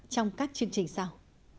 trong các chương trình sau